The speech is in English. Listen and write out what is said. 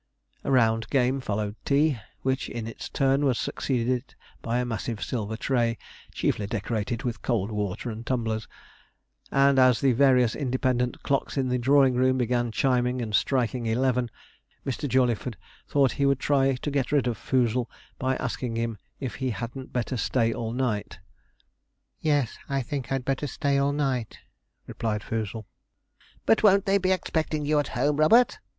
A round game followed tea; which, in its turn, was succeeded by a massive silver tray, chiefly decorated with cold water and tumblers; and as the various independent clocks in the drawing room began chiming and striking eleven, Mr. Jawleyford thought he would try to get rid of Foozle by asking him if he hadn't better stay all night. 'Yes, I think I'd better stay all night,' replied Foozle. 'But won't they be expecting you at home, Robert?'